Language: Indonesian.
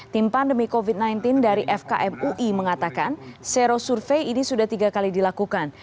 tim pandemi covid sembilan belas dari fkm ui mengatakan sero survei ini sudah tiga kali dilakukan